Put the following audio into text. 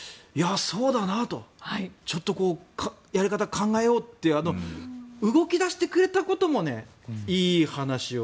そうだなとちょっとやり方を考えようって動き出してくれたこともいい話よ。